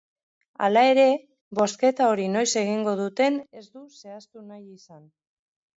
Hala ere, bozketa hori noiz egingo duten ez du zehaztu nahi izan.